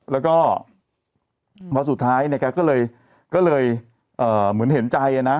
แล้วก็เวลาสุดท้ายแกก็เลยเห็นใจนะ